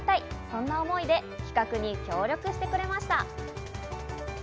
そんな思いで企画に協力してくれました。